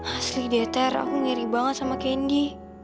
asli deh ter aku ngeri banget sama kandi